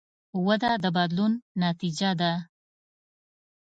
وده د بدلون نتیجه ده.